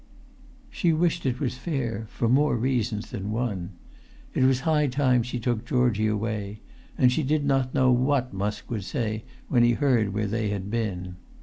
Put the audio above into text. She wished it was fair, for more reasons than one. It was high time she took Georgie away; and she did not know what Musk would say when he heard where they had been.